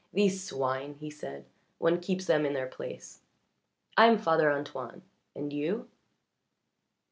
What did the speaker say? "These swine!" he said. "One keeps them in their place. I am Father Antoine. And you?"